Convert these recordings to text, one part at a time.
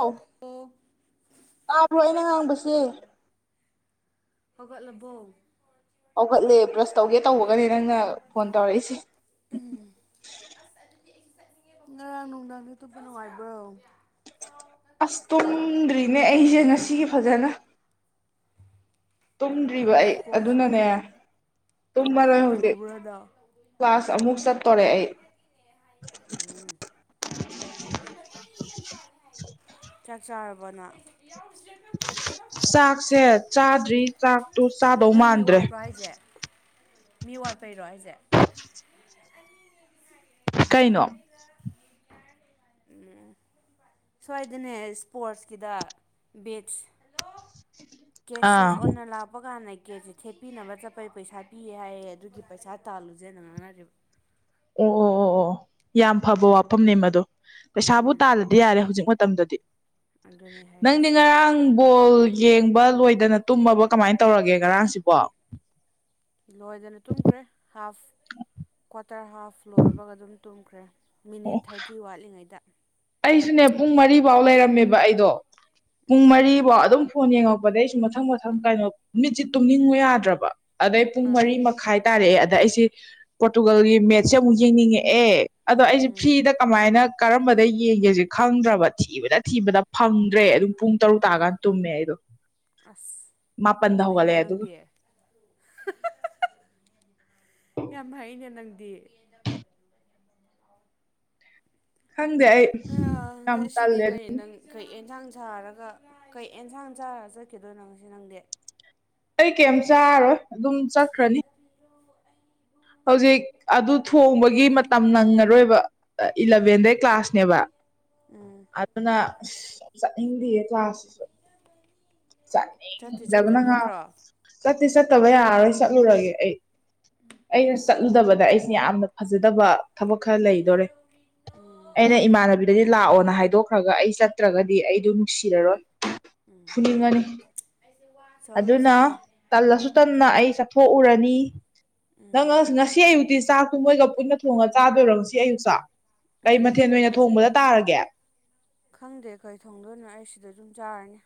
ꯑꯣꯥꯎ ꯑꯣ ꯇꯥꯕ꯭ꯔꯣ ꯑꯩꯅ ꯉꯥꯡꯕꯁꯦ ꯍꯧꯒꯠꯂꯕꯣ ꯍꯧꯈꯠꯂꯦ ꯕ꯭ꯔꯁ ꯇꯧꯒꯦ ꯇꯧꯕꯒꯅꯦ ꯅꯪꯅ ꯐꯣꯟ ꯇꯧꯔꯛꯏꯁꯦ ꯎꯝ ꯉꯔꯥꯡ ꯅꯨꯡꯗꯥꯡꯗꯤ ꯑꯇꯨꯞꯞꯄ ꯅꯨꯡꯉꯥꯏꯕ꯭ꯔꯣ ꯑꯁ ꯇꯨꯝꯗ꯭ꯔꯤꯅꯦ ꯑꯩꯁꯦ ꯉꯁꯤꯒꯤ ꯐꯖꯅ ꯇꯨꯝ ꯑꯩ ꯏꯁꯄꯣꯔꯠꯁ ꯑꯗꯨꯅꯅꯦ ꯇꯨꯝꯃꯔꯣꯏ ꯏꯁꯄꯣꯔꯠꯁ ꯍꯧꯖꯤꯛ ꯌꯦꯡꯍꯧꯕ꯭ꯔ ꯅꯪ ꯀ꯭ꯂꯥꯁ ꯑꯃꯨꯛ ꯆ ꯇꯏ ꯎꯝ [inaudible] ꯆꯥꯛ ꯆꯥꯔꯕꯅ ꯆꯥꯛꯁꯦ ꯆꯥꯗ꯭ꯔꯤ ꯆꯥꯛꯇꯨ ꯆꯥꯗꯧ ꯅꯣꯏ ꯃꯤ ꯃꯥꯟꯗ꯭ꯔꯦ ꯋꯥꯠꯄ꯭ꯔꯣ ꯍꯥꯏꯁꯦ ꯃꯤ ꯋꯥꯠꯄꯩꯔꯣ ꯑꯩꯁꯦ ꯀꯩꯅꯣ ꯎꯝ ꯁ꯭ꯋꯥꯏꯗꯅꯦ ꯏꯁꯄꯣꯔꯠꯁꯀꯤꯗ ꯕꯤꯠꯁ ꯀꯦꯁ ꯑꯥ ꯑꯣꯐ ꯑꯣꯟꯅ ꯂꯥꯞꯄ ꯀꯥꯟꯅ ꯀꯀꯦꯠꯁꯦ ꯊꯦꯠꯄꯤꯅꯕ ꯆꯠꯄꯩ ꯄꯩꯁꯥ ꯄꯤꯌꯦ ꯍꯥꯏꯌꯦ ꯑꯗꯨꯗꯤ ꯄꯩꯁꯥ ꯇꯥꯜꯂꯨꯁꯦꯅ ꯉꯥꯡꯅꯔꯤꯕ ꯑꯣ ꯑꯣ ꯑꯣ ꯑꯣ ꯌꯥꯝ ꯐꯕ ꯋꯥꯐꯝꯅꯦ ꯃꯗꯨꯣ ꯄꯩꯁꯥꯕꯨ ꯎꯝ ꯇꯥꯜꯂꯗꯤ ꯌꯥꯔꯦ ꯍꯧꯖꯤꯛ ꯃꯇꯝꯗꯗꯤ ꯑꯗꯨꯅꯦ ꯅꯪꯗꯤ ꯍꯥꯏꯔꯤꯁꯦ ꯉꯔꯥꯡ ꯕꯣꯜ ꯌꯦꯡꯕ ꯂꯣꯏꯗꯅ ꯇꯨꯝꯃꯕ ꯀꯃꯥꯏꯅ ꯇꯧꯔꯒꯦ ꯉꯔꯥꯡꯁꯤꯕꯣ ꯂꯣꯏꯗꯅ ꯇꯨꯝꯈ꯭ꯔꯦ ꯍꯥꯐ ꯀ꯭ꯋꯥꯇꯔ ꯍꯥꯐ ꯂꯣꯏꯕꯒ ꯑꯗꯨꯝ ꯇꯨꯝꯈ꯭ꯔꯦ ꯃꯤꯅꯤꯠ ꯊꯥꯔꯇꯤ ꯋꯥꯠꯂꯤꯉꯩꯗ ꯑꯩꯁꯨꯅꯦ ꯄꯨꯡ ꯃꯔꯤꯐꯥꯎ ꯂꯩꯔꯝꯃꯦꯕ ꯑꯩꯗꯣ ꯄꯨꯡ ꯎꯝ ꯃꯔꯤꯐꯥꯎ ꯑꯗꯨꯝ ꯐꯣꯟ ꯌꯦꯡꯉꯛꯄꯗꯩ ꯑꯩꯁꯨ ꯃꯊꯪ ꯃꯊꯪ ꯀꯩꯅꯣ ꯃꯤꯠꯁ ꯇꯨꯝꯅꯤꯡꯉꯨ ꯌꯥꯗ꯭ꯔꯕ ꯑꯗꯩ ꯄꯨꯡ ꯃꯔꯤ ꯑꯥ ꯃꯈꯥꯏ ꯇꯥꯔꯦ ꯑꯗ ꯑꯩꯁꯦ ꯄꯣꯔꯇꯨꯒꯜꯒꯤ ꯃꯦꯠꯁꯦ ꯑꯃꯨꯛ ꯌꯦꯡꯅꯤꯡꯉꯛꯑꯦ ꯑꯗꯣ ꯑꯩꯁꯦ ꯎꯝ ꯐ꯭ꯔꯤꯗ ꯀꯃꯥꯏꯅ ꯀꯔꯝꯕꯗ ꯌꯦꯡꯒꯦꯁ ꯈꯪꯗ꯭ꯔꯕ ꯊꯤꯕꯗ ꯊꯤꯕꯗ ꯐꯪꯗ꯭ꯔꯦ ꯑꯗꯨꯝ ꯄꯨꯡ ꯇꯔꯨꯛ ꯇꯥꯔꯀꯥꯟ ꯎꯝ ꯇꯨꯝꯃꯦ ꯑꯩꯗꯣ ꯑꯁ ꯃꯥꯄꯟꯗ ꯌꯥꯝ ꯍꯩꯅ ꯍꯧꯒꯠꯂꯛꯑꯦ ꯑꯗꯨꯒ ꯅꯪꯗꯤ ꯌꯥꯝ ꯍꯩꯅꯦ ꯅꯪꯗꯤ ꯈꯪꯗꯦ ꯑꯩ ꯌꯥꯝ ꯉꯁꯤꯗꯤ ꯇꯜꯂꯦ ꯑꯗꯨ ꯀꯩ ꯅꯪ ꯀꯩ ꯑꯦꯟꯁꯥꯡ ꯁꯥꯔꯒ ꯀꯩ ꯑꯦꯟꯁꯥꯡ ꯆꯥꯔꯒ ꯆꯠꯈꯤꯗꯣꯏꯅꯪꯁꯤ ꯅꯪꯗꯤ ꯑꯩ ꯀꯩ ꯆꯥꯔꯣꯏ ꯑꯗꯨꯝ ꯆꯠꯈ꯭ꯔꯅꯤ ꯍꯧꯖꯤꯛ ꯑꯗꯨ ꯊꯣꯡꯕꯒꯤ ꯃꯇꯝ ꯅꯪꯉꯔꯣꯏꯕ ꯏꯂꯚꯦꯟꯗꯩ ꯀ꯭ꯂꯥꯁꯅꯦꯕ ꯎꯝ ꯑꯗꯨ ꯑꯗꯨꯅ ꯍꯤꯟꯗꯤ ꯀ꯭ꯂꯥꯁ ꯆꯠꯇꯤ ꯆꯠꯗꯕ ꯆꯠꯇꯣꯏ ꯅ ꯉꯥ ꯅꯠꯇ꯭ꯔꯣ ꯆꯠꯇꯤ ꯆꯠꯇꯕ ꯌꯥꯔꯔꯣꯏ ꯆꯠꯂꯨꯔꯒꯦ ꯑꯩ ꯑꯩꯅ ꯆꯠꯂꯨꯗꯕꯗ ꯑꯩꯁꯦ ꯌꯥꯝꯅ ꯐꯖꯗꯕ ꯊꯕꯛ ꯈꯔ ꯂꯩꯗꯣꯔꯦ ꯎꯝ ꯑꯩꯅ ꯏꯃꯥꯟꯅꯕꯤꯗꯗꯤ ꯂꯥꯛꯑꯣꯅ ꯍꯥꯏꯗꯣꯛꯈ꯭ꯔꯒ ꯑꯩ ꯆꯠꯇ꯭ꯔꯒꯗꯤ ꯑꯩꯗꯨ ꯅꯨꯡꯁꯤꯔꯔꯣꯏ ꯎꯝ ꯊꯅꯤꯡꯉꯅꯤ ꯆꯠꯂꯣ ꯑꯗꯨꯅ ꯆꯠꯂꯣ ꯇꯜꯂꯁꯨ ꯇꯟꯅ ꯑꯩ ꯆꯠꯊꯣꯛꯎꯔꯅꯤ ꯅꯪ ꯎꯝ ꯉꯁꯤ ꯑꯌꯨꯛꯇꯤ ꯆꯥꯛꯇꯨ ꯃꯣꯏꯒ ꯄꯨꯟꯅ ꯊꯣꯡꯉꯒ ꯆꯥꯗꯣꯏꯔꯣ ꯉꯁꯤ ꯑꯌꯨꯛꯁꯣ ꯎꯝ ꯀꯩ ꯉꯁꯤ ꯃꯊꯦꯜ ꯑꯣꯏꯅ ꯑꯌꯨꯛꯁꯦ ꯊꯣꯡꯕꯗ ꯇꯥꯔꯒꯦ ꯈꯪꯗꯦ ꯑꯩꯈꯣꯏ ꯊꯣꯡꯗꯣꯏꯅꯣ ꯑꯩ ꯁꯤꯗ ꯑꯗꯨꯝ ꯆꯥꯔꯅꯤ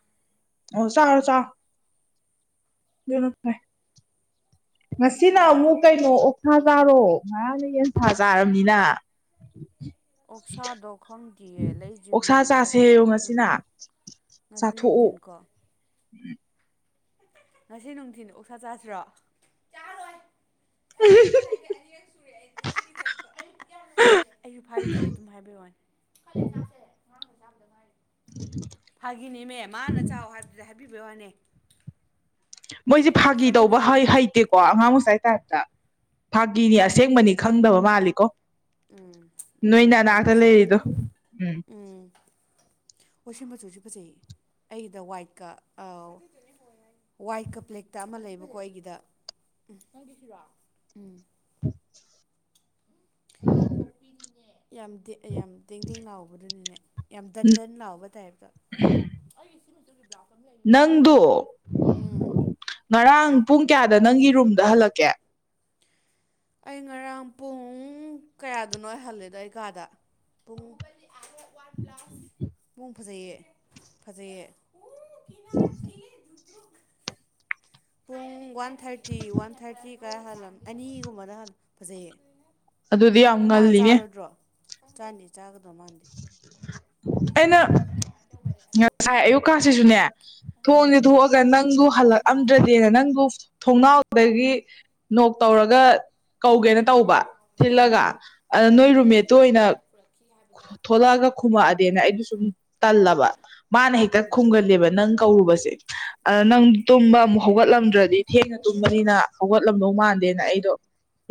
ꯑꯣ ꯆꯥ ꯆꯥꯦ ꯉꯁꯤꯅ ꯏꯊꯟꯗ ꯑꯃꯨꯛ ꯀꯩꯅꯣ ꯁꯥ ꯆꯥꯔꯣ ꯉꯔꯥꯡꯅꯌꯦꯟ ꯁꯥꯥ ꯆꯥꯔꯕꯅꯤꯅ ꯑꯣꯛꯁꯥꯗꯣ ꯈꯪꯗꯌꯦ ꯑꯣꯛꯁꯥ ꯂꯩꯖ꯭ꯔꯤꯕꯅꯤꯅ ꯆꯥꯁꯦꯌꯣ ꯊꯣꯛꯄꯁꯨ ꯉꯁꯤꯅ ꯉꯁꯤ ꯅꯨꯡꯊꯤꯟ ꯀꯣ ꯎꯝ ꯉꯁꯤ ꯅꯨꯡꯊꯤꯅ ꯑꯣꯛꯁꯥ ꯆꯥꯁꯤꯔꯣ ꯑ ꯑꯩꯁꯨ ꯐꯩꯗꯦ ꯑꯗꯨꯝ ꯍꯥꯏꯕꯩ ꯋꯥꯅꯤ ꯐꯥꯒꯤꯅꯦꯃꯦ ꯃꯥꯅ ꯆꯥꯛ ꯍꯥꯏꯕꯗꯨꯗ ꯍꯥꯏꯕꯤꯕꯩ ꯋꯥꯅꯤ ꯃꯣꯏꯁꯦ ꯐꯥꯒꯤ ꯇꯧꯕ ꯍꯩꯇꯦꯀꯣ ꯑꯉꯥꯡ ꯃꯁꯥꯏ ꯇꯥꯏꯞꯇ ꯐꯥꯒꯤꯅꯤ ꯍꯥ ꯑꯁꯦꯡꯕꯅꯤ ꯈꯪꯗꯕ ꯃꯥꯜꯂꯤꯀꯣ ꯎꯝ ꯑꯗꯨꯅꯦ ꯅꯣꯏꯅ ꯅꯅꯥꯇ ꯍꯥꯏꯔꯤꯁꯦ ꯂꯩꯔꯤꯗꯣ ꯎꯝ ꯑꯗꯨꯨꯁꯨ ꯐꯖꯩ ꯑꯩꯗ ꯋꯥꯏꯠꯀ ꯑꯥꯎ ꯋꯥꯏꯠ ꯀꯝꯄ꯭ꯂꯦꯛꯇ ꯑꯃ ꯂꯩꯕꯀꯣ ꯑꯩꯒꯤꯗ ꯎꯝ ꯎꯝ [inaudible] ꯌꯥꯝ ꯌꯥꯝ ꯇꯦꯡꯗꯦꯡ ꯂꯥꯎꯕꯗꯨꯅꯤꯅꯦ ꯌꯥꯝ ꯗꯟ ꯗꯟ ꯂꯥꯎꯕ ꯇꯥꯏꯞꯇ ꯅꯪꯗꯣ ꯎꯝ ꯉꯔꯥꯡ ꯄꯨꯡ ꯀꯌꯥꯗ ꯅꯪꯒꯤ ꯔꯨꯝꯗ ꯍꯜꯂꯛꯀꯦ ꯑꯩ ꯉꯔꯥꯡ ꯄꯨꯡ ꯀꯌꯥꯗꯅꯣ ꯍꯥꯏꯍꯜꯂꯦꯗꯣ ꯑꯩ ꯀꯥꯗ ꯄꯨꯡ ꯎꯝ ꯎꯝ ꯐꯖꯌꯦ ꯐꯖꯩꯌꯦ ꯄꯨꯡ ꯋꯥꯟ ꯊꯥꯔꯇꯤ ꯋꯥꯟ ꯊꯥꯔꯇꯤ ꯈ ꯍꯜꯂꯝ ꯑꯅꯤꯒꯨꯝꯕꯗ ꯍꯜ ꯐꯖꯩꯌꯦ ꯑꯗꯨꯗꯤ ꯌꯥꯝ ꯉꯜꯂꯤꯅꯦꯦ ꯆꯥꯟꯅꯤ ꯆꯥꯒꯗꯧ ꯃꯥꯥꯟꯗ ꯑꯩꯅ ꯉꯁꯥꯏ ꯑꯌꯨꯛꯀꯥꯁꯤꯁꯨꯅꯦ ꯊꯣꯡꯁꯦ ꯎꯝ ꯊꯣꯛꯑꯒ ꯅꯪꯕꯨ ꯍꯜꯂꯛꯑꯝꯗ꯭ꯔꯗꯤꯦꯅ ꯅꯪꯕꯨ ꯊꯣꯡꯅꯥꯎꯗꯒꯤ ꯅꯣꯛ ꯇꯧꯔꯒ ꯀꯧꯒꯦꯅ ꯇꯧꯕ ꯊꯤꯜꯂꯒ ꯎꯝ ꯑꯗ ꯅꯣꯏ ꯔꯨꯃꯦꯠꯇꯨ ꯑꯣꯏꯅ ꯊꯣꯛꯣꯂꯛꯑꯒ ꯈꯨꯝꯃꯛꯛꯑꯗꯤꯦꯅ ꯑꯩꯗꯨ ꯁꯨꯝ ꯇꯜꯂꯕ ꯃꯥꯅ ꯍꯦꯛꯇ ꯎꯝ ꯈꯨꯝꯒꯜꯂꯦꯕ ꯅꯪ ꯀꯧꯔꯨꯕꯁꯦ ꯑꯗ ꯎꯝ ꯅꯪ ꯎꯝ ꯇꯨꯝꯕ ꯑꯃꯨꯛ ꯍꯧꯒꯠꯂꯝꯗ꯭ꯔ ꯑꯗꯨꯩ ꯊꯦꯡꯅ ꯇꯨꯝꯕꯅꯤꯅ ꯍꯧꯒꯠꯂꯝꯗꯧ ꯃꯥꯟꯗꯦꯅ ꯑꯩꯗꯣ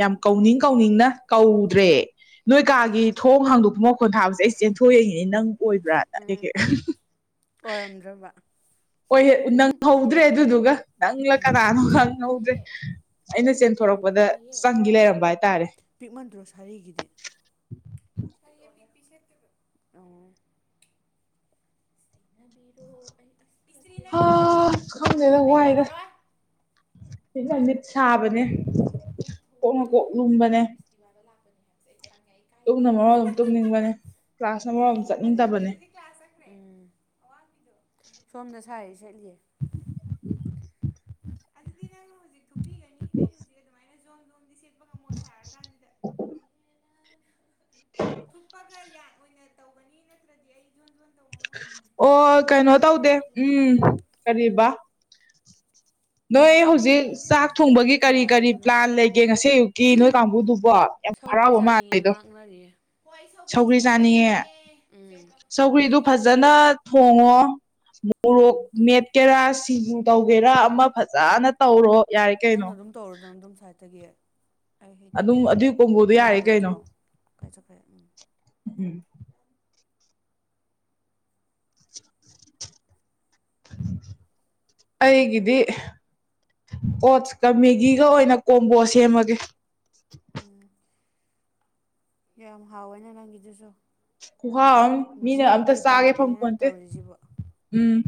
ꯌꯥꯝ ꯀꯧꯅꯤꯡ ꯀꯧꯅꯤꯡꯅ ꯀꯧꯗ꯭ꯔꯦ ꯅꯣꯏ ꯀꯥꯒꯤ ꯎꯝ ꯊꯣꯡ ꯍꯥꯡꯗꯣꯛꯄ ꯈꯣꯟꯊꯥꯕꯁꯦ ꯑꯩ ꯆꯦꯟꯊꯣꯛꯑꯏꯉꯅꯦ ꯅꯪ ꯎꯝ ꯑꯣꯏꯕ꯭ꯔꯥꯦ ꯑꯣꯏꯔꯝꯗ꯭ꯔꯕ ꯍꯍ ꯅꯪꯍꯧꯗ꯭ꯔꯦ ꯑꯗꯨꯗꯨꯒ ꯅꯪꯂꯪꯂ ꯎꯝ ꯀꯅꯥꯅꯣ ꯈꯪꯍꯧꯗ꯭ꯔꯦ ꯑꯩꯅꯦꯟ ꯊꯣꯔꯛꯄꯗ ꯆꯪꯈꯤ ꯂꯩꯔꯝꯕ ꯍꯥꯏꯇꯥꯔꯦ ꯄꯤꯛꯃꯟꯗ꯭ꯔꯣ ꯑꯣ ꯁꯤꯕꯤꯔꯣ ꯑꯩ ꯍꯥ ꯈꯪꯗꯦꯅꯪ ꯋꯥꯏꯔ ꯃꯤꯠ ꯁꯥꯕꯗ ꯃꯣꯏꯒꯤ ꯃꯣꯏ ꯊꯣꯡꯗꯣ ꯑꯩꯅ ꯍꯥꯡꯗꯣꯛꯒꯗ ꯑꯗꯨ ꯕꯤꯁꯇꯤꯕꯥꯗ ꯂꯥꯛꯄꯅꯦ ꯇꯨꯡꯅ ꯃꯔꯣ ꯑꯗꯨꯝ ꯇꯨꯡꯅꯤꯡꯕꯅꯦ ꯀ꯭ꯂꯥꯁ ꯑꯃ ꯃꯔꯣ ꯑꯗꯨꯝ ꯆꯠꯅꯤꯡꯗꯕꯅꯦ ꯎꯝ ꯁꯣꯝꯗ ꯁꯥꯔꯤ ꯁꯦꯠꯂꯤꯌꯦ ꯑꯗꯨꯗꯤ ꯅꯪꯅ ꯍꯧꯖꯤꯛ ꯊꯨꯞꯄꯤꯒꯅꯤ ꯑꯩꯅ ꯍꯧꯖꯤꯛ ꯑꯗꯨꯃꯥꯏꯅ ꯖꯣꯡꯝ ꯣꯡꯝꯗꯤ ꯁꯦꯠꯄ ꯉꯝꯃꯣ ꯁꯥꯔꯀꯥꯟꯗ ꯎ ꯊꯨꯞꯄꯒ ꯌꯥꯟ ꯑꯣꯏꯅ ꯇꯧꯒꯅꯤ ꯅꯠꯇ꯭ꯔꯗꯤ ꯑꯩꯣꯟꯣꯟ ꯑꯣ ꯀꯩꯅꯣ ꯇꯧꯗꯦ ꯎꯝ ꯀꯔꯤꯕ ꯅꯣꯏ ꯍꯧꯖꯤꯛ ꯆꯥꯛ ꯊꯣꯡꯕꯒꯤ ꯀꯔꯤ ꯌꯥꯔꯦ ꯀꯔꯤ ꯑꯗꯨꯅ ꯄ꯭ꯂꯥꯟ ꯂꯩꯒꯦ ꯉꯁꯤ ꯑꯌꯨꯛꯀꯤ ꯅꯣꯏ ꯀꯥꯡꯕꯨꯗꯨꯕꯣ ꯌꯥꯝ ꯁꯧꯒ꯭ꯔꯤ ꯍꯔꯥꯎꯕ ꯆꯥꯅꯤꯡꯌꯦꯦ ꯃꯥꯜꯂꯤꯗꯣ ꯉꯥꯡꯅꯔꯤꯌꯦ ꯎꯝ ꯆꯧꯒ꯭ꯗꯨ ꯐꯖ ꯐꯖꯅ ꯊꯣꯡꯉꯣ ꯃꯣꯔꯣꯛ ꯃꯦꯠꯀꯦꯔꯥ ꯁꯤꯡꯖꯨ ꯇꯧꯒꯦꯔꯥ ꯑꯃ ꯐꯖꯅ ꯇꯧꯔꯣ ꯌꯥꯔꯦ ꯀꯩꯅꯣ ꯅꯪꯅ ꯑꯗꯨꯝ ꯇꯧꯔꯨꯗꯅ ꯑꯗꯨꯝ ꯁꯥꯏꯠꯇꯒꯤ ꯑꯩ ꯑꯗꯨꯝ ꯑꯗꯨꯏ ꯀꯣꯡꯕꯣꯗꯣ ꯌꯥꯔꯦ ꯌꯥꯕ ꯀꯩꯅꯣ ꯅꯠꯇ꯭ꯔꯣ ꯀꯥꯏ ꯆꯠꯈ꯭ꯔꯦ ꯎꯝ ꯎꯝ [inaudible] ꯑꯩꯒꯗꯤ ꯀꯣ ꯀꯃꯦꯒꯤꯒ ꯑꯣꯏꯅ ꯀꯣꯝꯕꯣ ꯁꯦꯝꯃꯒꯦ ꯎꯝ ꯌꯥꯝ ꯍꯥꯎꯋꯦꯅꯦ ꯅꯪꯒꯤꯗꯨꯁꯨ ꯨꯍꯥ ꯑꯝ ꯃꯤꯅ ꯑꯝꯇ ꯖꯤꯝꯒꯤ ꯆꯥꯒꯦ ꯐꯐꯝ ꯗꯥꯏꯠꯅꯤꯅ ꯅꯪ ꯄꯣꯟꯇꯦ ꯇꯧꯔꯤꯁꯤꯕꯣ ꯎꯝ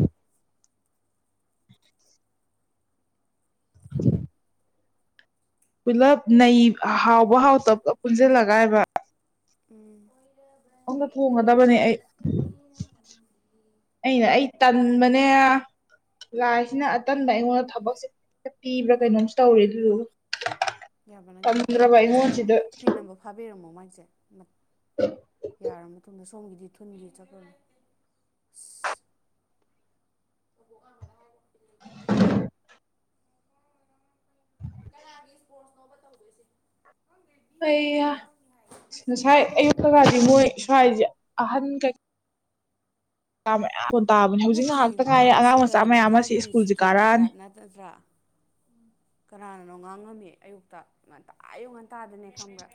ꯄꯨꯂꯞ ꯅꯩ ꯍꯥꯎꯕ ꯍꯥꯎꯇꯕ ꯄꯨꯂꯞ ꯄꯨꯟꯁꯤꯜꯂꯒꯥꯏꯕ ꯎꯝ ꯑꯣꯟꯗ ꯊꯣꯡꯒꯗꯕꯅꯦ ꯑꯩ ꯑꯩꯅ ꯑꯩ ꯇꯟꯕꯅꯦ ꯂꯥꯏꯁꯤꯅ ꯑꯇꯟꯕ ꯑꯩꯉꯣꯟꯗ ꯊꯕꯛꯁꯦ ꯄꯤꯕ꯭ꯔꯥ ꯀꯩꯅꯣꯝꯁꯨ ꯇꯧꯔꯤꯦ ꯌꯥꯔꯕ꯭ꯔ ꯅꯪꯒꯤꯗꯣ ꯁꯠꯇꯣ ꯄꯤꯤꯟ ꯅꯝꯕꯔ ꯐꯥꯕꯤꯔꯝꯃꯣ ꯃꯒꯤꯁꯦ ꯌꯥꯔꯕ ꯃꯇꯨꯡꯗ ꯁꯣꯝꯒꯤꯗꯤ ꯊꯨꯟꯒꯤ ꯆꯠꯄꯂꯣ ꯑꯁ ꯑꯣꯣ ꯑ ꯃꯗ ꯍꯥꯏ ꯀꯅꯥꯒꯤ ꯏꯁꯄꯣꯔꯠꯁꯅꯣꯕ ꯇꯧꯧꯕꯣꯏꯁꯦ ꯑꯩ ꯉꯁꯥꯏ ꯑꯌꯨꯛ ꯀꯀꯗꯤ ꯃꯣꯏ ꯁ꯭ꯋꯥꯏꯁꯦ ꯑꯍꯟ ꯀꯩ ꯉꯥꯃꯌꯥꯝ ꯅꯠꯇꯦ ꯑꯁꯤ ꯃꯈꯥꯒꯤ ꯁ꯭ꯀꯨꯜꯁꯦ ꯁꯤꯦꯀ꯭ꯌꯨꯔꯤꯇꯤ ꯀꯥꯔꯛꯑꯅꯤ ꯒꯥꯔꯗ ꯅꯠꯇꯠꯇ꯭ꯔꯥ ꯀꯅꯥꯅꯅꯣ ꯉꯥꯡꯉꯝꯃꯤ ꯑꯌꯨꯛꯇ ꯉꯟꯇꯥ ꯑꯌꯨꯛ ꯉꯟꯇꯥꯗꯅꯦ ꯈꯪꯕ꯭ꯔꯥ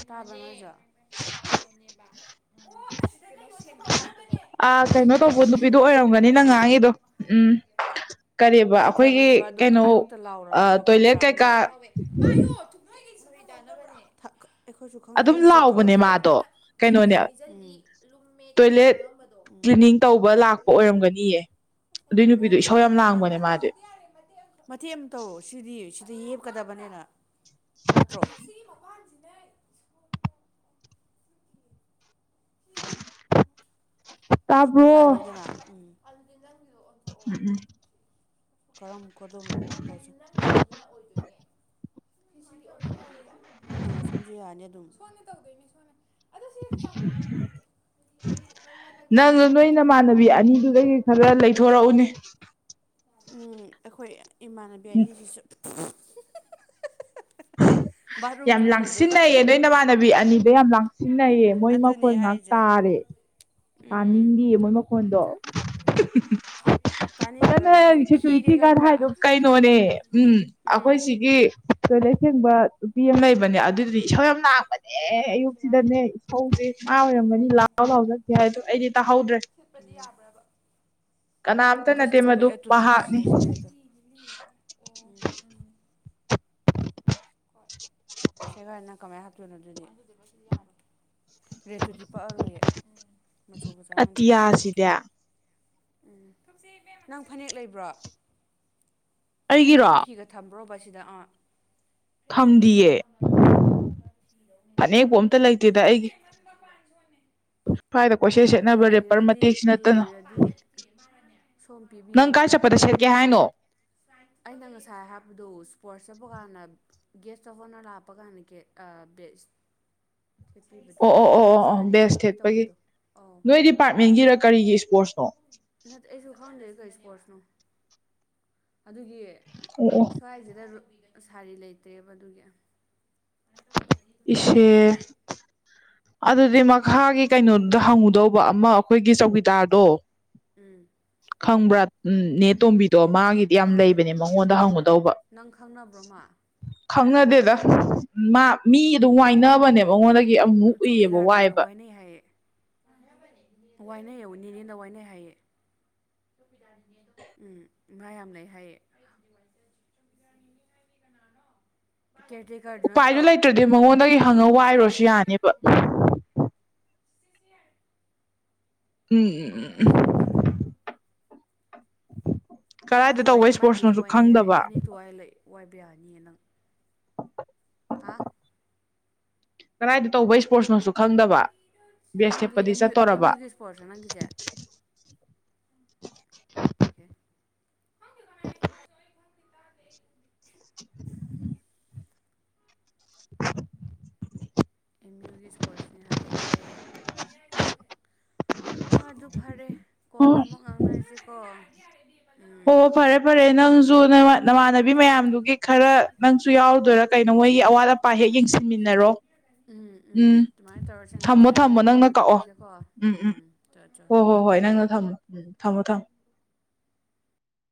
[unintelligible] [unintelligible] [unintelligible] ꯑ ꯀꯩꯅꯣ ꯇꯧꯕ ꯅꯨꯄꯤꯗꯨꯣ ꯑꯣꯏꯔꯝꯒꯅꯤ ꯅꯪ ꯎꯝ ꯉꯥꯡꯉꯤꯗꯣ ꯎꯝ ꯀꯔꯤꯕ ꯑꯩꯈꯣꯏꯒꯤ ꯂꯩꯇ꯭ꯔꯕꯅꯦꯕ ꯑꯗꯨꯝ ꯀꯩꯅꯣ ꯑꯌꯨꯛꯇ ꯂꯥꯎꯔꯝꯃꯤꯗꯣ ꯇꯣꯏꯂꯦꯠ ꯈꯪꯕ꯭ꯔꯥ ꯅꯣꯏ ꯀꯩꯀꯥ ꯑꯩꯈꯣꯏꯁꯨ ꯑꯗꯨꯝ ꯑꯩ ꯂꯥꯎꯕꯅꯦ ꯇꯧꯔꯀꯦ ꯃꯥꯗꯣ ꯀꯩꯅꯣꯅꯦ ꯇꯣꯏꯂꯦꯠ ꯀ꯭ꯂꯤꯅꯤꯡ ꯇꯧꯕ ꯂꯥꯛꯄ ꯑꯣꯏꯔꯝꯒꯅꯤꯌꯦ ꯑꯗꯨꯏ ꯅꯨꯄꯤꯗꯣ ꯏꯁꯧ ꯌꯥꯝ ꯂꯥꯡꯕꯅꯦ ꯃꯥꯗꯤ ꯑꯊꯦꯝ ꯑꯃ ꯇꯧꯔꯣ ꯁꯤꯗꯤ ꯁꯤꯗꯤ ꯌꯦꯞꯀꯗꯕꯅꯤꯅ ꯅꯠꯇ꯭ꯔꯣ ꯁꯃꯥꯏ ꯇꯥꯕ꯭ꯔꯣ ꯂꯑꯅꯤꯗꯅꯅꯥ ꯎꯝ ꯎꯝ ꯎꯝ ꯀꯔꯝ ꯀꯗꯝ ꯅꯪꯒꯤ ꯔꯨꯝꯗꯩꯗ ꯑꫭꯏꯗꫭꯏꯅꯦ ꯑꯥ ꯁꯣꯝꯁꯨ ꯌꯥꯅꯤ ꯑꯗꯨꯝ [inaudible] ꯅꯪ ꯅꯣꯏ ꯅꯃꯥꯟꯅꯕꯤ ꯑꯅꯤꯗꯨꯗꯒꯤ ꯈꯔ ꯂꯩꯊꯣꯔꯛꯎꯅꯦ ꯎꯝ ꯑꯩꯈꯣꯏ ꯏꯃꯥꯟꯅꯕꯤ ꯑꯅꯤꯁꯤꯁꯨ ꯕꯥꯠꯔꯨꯝ ꯌꯥꯝ ꯆꯪꯈ꯭ꯔꯗꯨꯒ ꯂꯥꯡꯁꯤꯟꯅꯩꯌꯦ ꯅꯣꯏ ꯅꯃꯥꯟꯅꯕꯤ ꯑꯅꯤ ꯑꯗꯣ ꯌꯥꯝ ꯂꯥꯡꯁꯤꯟꯅꯩꯌꯦ ꯃꯣꯏ ꯑꯗꯨꯅꯦ ꯃꯈꯣꯜ ꯉꯥꯏꯍꯥꯛ ꯍꯥꯏꯁꯦ ꯇꯥꯔꯦ ꯎꯝ ꯇꯥꯅꯤꯡꯗꯌꯦ ꯃꯣꯏ ꯃꯈ ꯍꯣꯟꯗꯣꯛ [inaudible] ꯑꯣ ꯇꯥꯅꯤꯡꯗ꯭ꯔꯕꯅꯦ ꯅ ꯑꯩꯁꯨ ꯈꯤꯔꯦ ꯁꯦꯀꯨꯔꯤꯇꯤ ꯒꯥꯔꯗ ꯈꯪꯕ꯭ꯔꯥ ꯍꯥꯏꯗꯣ ꯀꯩꯅꯣꯅꯦ ꯎꯝ ꯎꯝ ꯑꯩꯈꯣꯏ ꯁꯤꯒꯤ ꯇꯣꯏꯂꯦꯠ ꯁꯦꯡꯕ ꯅꯨꯄꯤ ꯑꯃ ꯂꯩꯕꯅꯦ ꯑꯗꯨꯏꯗꯨꯗꯤ ꯏꯁꯥꯎ ꯌꯥꯝ ꯥꯡꯕꯅꯦ ꯑꯦ ꯑꯌꯨꯛꯁꯤꯗꯅꯦ ꯏꯁꯧꯁꯦ ꯉꯥ ꯑꯣꯏꯔꯝꯒꯅꯤ ꯂꯥꯛꯍꯥꯎ ꯂꯥꯎ ꯆꯀꯦ ꯍꯥꯏꯗꯣ ꯑꯩꯗꯤ ꯇꯥꯍꯧꯗ꯭ꯔꯦ ꯗꯤ ꯌꯥꯕ꯭ꯔꯕ ꯀꯅꯥꯝꯇ ꯅꯠꯇꯦ ꯃꯗꯨ ꯄꯥꯛꯅꯤ ꯁꯤꯗ ꯁꯦꯒꯥꯏꯗꯣ ꯎꯝ ꯁꯤꯒ ꯏꯅꯥ ꯀꯃꯌꯥ ꯍꯥ ꯇꯅꯗꯗꯤ ꯔꯦꯠꯇꯨꯗꯤ ꯄꯛꯑꯔꯣꯏꯌꯦ ꯃꯆꯨ ꯃꯆꯥꯥꯅꯗꯤ ꯑꯇꯤꯌꯥꯁꯤꯗꯤ ꯎꯝ ꯅꯪ ꯐꯅꯦꯛ ꯂꯩꯕ꯭ꯔꯣ ꯑꯩꯒꯤꯔꯣ ꯐꯅꯦꯛꯀ ꯐꯤꯒ ꯊꯝ ꯭ꯔꯣꯕꯁꯤꯗ ꯑꯥ [unintelligible] ꯊꯝꯗꯤꯌꯦ ꯐꯅꯦꯛꯄꯨ ꯑꯝꯇ ꯂꯩꯇꯦꯗ ꯑꯩꯒꯤ ꯐꯅꯦ ꯁ꯭ꯋꯥꯏꯗ ꯀꯣꯏꯁ ꯁꯦꯠꯅꯕ ꯔꯦꯄꯔ ꯃꯇꯦꯛꯁꯤ ꯅꯠꯇꯅ ꯂꯩꯔꯗꯤ ꯁꯣꯝ ꯅꯪ ꯀꯥꯏ ꯆꯠꯄꯗ ꯁꯦꯠꯀꯦ ꯍꯥꯏꯅꯣ ꯁꯥ ꯑꯩꯅ ꯉꯁꯥꯏ ꯍꯥꯏꯞꯕꯗꯨ ꯏꯁꯄꯣꯔꯠꯁ ꯆꯠꯄ ꯀꯥꯟꯗ ꯒꯦꯠꯁ ꯑꯣꯐ ꯑꯣꯅꯔ ꯂꯥꯛꯄ ꯀꯥꯟꯗ [unintelligible] ꯁꯦꯠꯄꯤꯕꯗꯣ ꯑꯣ ꯑꯣ ꯑꯣ ꯑꯣ ꯑꯣ ꯁꯥꯅꯤ ꯕꯦꯁ ꯁꯦꯠꯄꯤ ꯊꯦꯠꯄꯒꯤ ꯇꯧꯕꯗꯣ ꯑꯧ ꯅꯣꯏ ꯗꯤꯄꯥꯔꯠꯃꯦꯟꯒꯤꯔ ꯀꯔꯤꯒꯤ ꯏꯁꯄꯣꯔꯠꯁꯅꯣ ꯅ ꯑꯩ ꯁꯨꯈꯥ ꯍꯗ ꯀ ꯁꯄꯣꯔꯠꯁ ꯑꯗꯨꯒꯤ ꯑꯣ ꯑꯣ ꯁ꯭ꯋꯥꯏꯁꯤꯗ ꯁꯥꯔꯤ ꯂꯩꯇ꯭ꯔꯦꯕ ꯑꯗꯨꯒꯤ ꯏꯦ ꯑꯗꯨꯗꯤ ꯃꯈꯥꯒꯤ ꯀꯩꯅꯣꯗꯨꯗ ꯍꯪꯉꯨꯗꯧꯕ ꯑꯃ ꯑꯩꯈꯣꯏꯒꯤ ꯆꯧꯀꯤꯗꯥꯔꯗꯣ ꯎꯝ ꯈꯪꯕ꯭ꯔꯥ ꯎ ꯅꯇꯣꯝꯕꯤ ꯑꯣ ꯃꯥꯒꯤꯗꯤ ꯌꯥꯝ ꯑꯥ ꯂꯩꯕꯅꯦ ꯃꯉꯣꯟꯗ ꯍꯪꯉꯨꯗꯧꯕ ꯅꯪ ꯈꯪꯅꯕ꯭ꯔꯣ ꯃꯥ ꯈꯪꯅ ꯑꯗꯨꯗ ꯃꯥ ꯃꯤ ꯑꯗꯨꯝ ꯋꯥꯏꯅꯕꯅꯦꯕ ꯑꯩꯉꯣꯟꯗꯒꯤ ꯆꯧꯀꯤꯗꯥꯔꯅ ꯋꯥꯏꯅꯩ ꯍꯥꯏꯌꯦ ꯋꯥꯏꯅꯩꯌꯦꯨ ꯅꯤꯅꯦꯅ ꯋꯥꯏꯅꯩ ꯍꯥꯏꯌꯦ ꯎꯝ ꯃꯌꯥꯝ ꯂꯩ ꯍꯥꯏꯥꯏ ꯀꯦꯇ ꯎꯄꯥꯏꯗꯨ ꯂꯩꯇ꯭ꯔꯗꯤ ꯃꯉꯣꯟꯗꯒꯤ ꯍꯪꯉ ꯋꯥꯏꯔꯨꯔꯁꯨ ꯌꯥꯅꯦꯕ ꯎꯝ ꯎ ꯃꯥꯁꯨ ꯋꯥꯏ ꯃꯥꯏꯗꯁꯨ ꯋꯥꯏꯅꯦꯩ ꯍꯥꯏ ꯐꯅꯤꯛꯇꯨꯏ ꯋꯥꯏꯕ ꯌꯥꯅꯤꯌꯦ ꯅꯪ ꯑ ꯍꯥ ꯀꯗꯥꯏꯗ ꯇꯧꯕ ꯏꯁꯄꯣꯔꯠꯁꯅꯣꯁꯨ ꯈꯪꯗꯕ ꯕꯦꯁ ꯈꯪꯗꯦ ꯊꯦꯦꯛꯄꯗꯤ ꯑꯦꯝ ꯌꯨ ꯑꯦꯝ ꯆꯠꯇꯔꯕ ꯌꯨꯒꯤ ꯏꯁꯄꯣꯔꯠꯁ ꯅꯪꯒꯤꯁꯦ ꯑꯦ [unintelligible] [unintelligible] ꯑꯦꯝ ꯌꯨꯒꯤ ꯏꯁꯄꯣꯔꯠꯁꯅꯤ ꯍꯥꯏꯌꯦ ꯑꯩ ꯍꯣꯏ ꯑꯗꯨ ꯐꯔꯦ ꯑꯣ ꯀꯣꯟꯅ ꯑꯃꯨꯛ ꯉꯥꯡꯅꯔꯤꯁꯤꯀꯣ ꯑꯣ ꯐꯔꯦ ꯐꯔꯦ ꯅꯪꯁꯨ ꯅꯃꯥꯟꯅꯕꯤ ꯃꯌꯥꯝꯗꯨꯒꯤ ꯈꯔ ꯅꯪꯁꯨ ꯌꯥꯎꯗꯣꯏꯔꯥ ꯀꯩꯅꯣ ꯃꯣꯏꯒꯤ ꯑꯋꯥꯠ ꯑꯄꯥ ꯍꯦꯛ ꯌꯦꯡꯁꯤꯟꯃꯤꯟꯅꯔꯣ ꯎꯝ ꯎꯝ ꯑꯗꯨꯃꯥꯏꯅ ꯇꯧꯔꯁꯦ ꯉꯥꯛꯇ ꯊꯝꯃꯣ ꯊꯝꯃꯣ ꯂꯩꯔꯒ ꯅꯪꯅ ꯀꯣꯟꯅ ꯀꯛꯑꯣ ꯇꯧꯔꯁꯦꯀꯣ ꯎꯝ ꯆ ꯌꯥ ꯊꯝꯃꯣ ꯎꯝ ꯊꯝꯃꯣ ꯊꯝꯃꯣ